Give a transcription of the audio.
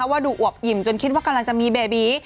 ว่าดูอวบอิ่มจนคิดว่ากำลังจะมีเบบี